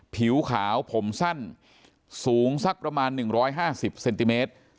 ผิวขาวผมสั้นสูงสักประมาณ๑๕๐เซนติเมตร